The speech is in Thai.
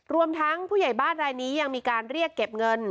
รวมทั้งผู้ใหญ่บ้านรายนี้ยังมีการเรียกเก็บเงิน